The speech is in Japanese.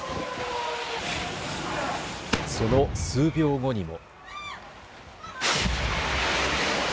その数秒後にも。